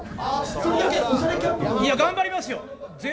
いや頑張りますよ。